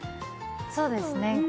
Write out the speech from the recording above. そうですね。